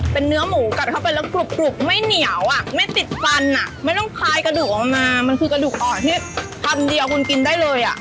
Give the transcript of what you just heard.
เป็นเนื้อหมูกัดเข้าไปแล้วกรุบไม่เหนียวอ่ะไม่ติดฟันอ่ะไม่ต้องคลายกระดูกออกมามันคือกระดูกอ่อนที่พันเดียวคุณกินได้เลยอ่ะ